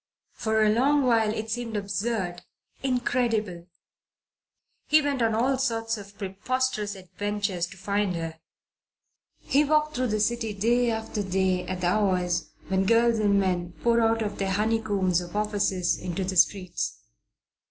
For a long while it seemed absurd, incredible. He went on all sorts of preposterous adventures to find her. He walked through the city day after day at the hours when girls and men pour out of their honeycombs of offices into the streets.